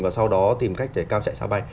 và sau đó tìm cách để cao chạy xa bay